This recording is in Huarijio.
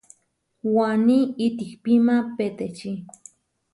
Waní itihpíma petečí.